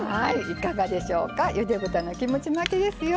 いかがでしょうかゆで豚のキムチ巻きですよ。